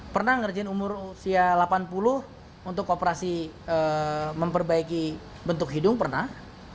pernah ngerjain umur usia delapan puluh untuk operasi memperbaiki bentuk hidung pernah